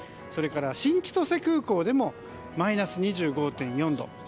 それから新千歳空港でもマイナス２５．４度。